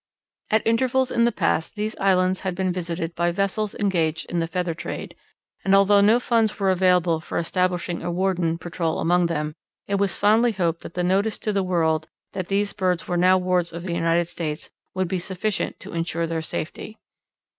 At intervals in the past these islands had been visited by vessels engaged in the feather trade, and although no funds were available for establishing a warden patrol among them, it was fondly hoped that the notice to the world that these birds were now wards of the United States would be sufficient to insure their safety.